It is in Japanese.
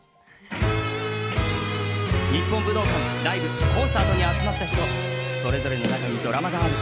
日本武道館、ライブ、コンサートに集まった人、それぞれの中にドラマがある。